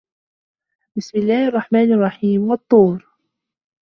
بِسمِ اللَّهِ الرَّحمنِ الرَّحيمِ وَالطّورِ